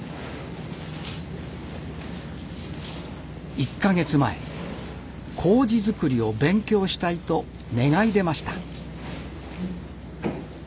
１か月前麹づくりを勉強したいと願い出ました。